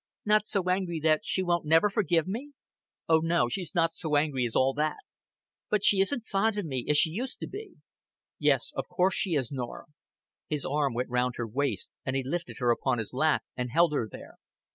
"Not so angry that she won't never forgive me?" "Oh, no, she's not so angry as all that." "But she isn't fond of me, as she used to be." "Yes, of course she is, Norah." His arm was round her waist, and he lifted her upon his lap, and held her there.